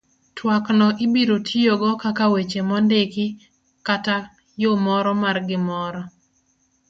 twak no ibiro tiyogo kaka weche mondiki kata yo moro mar gimoro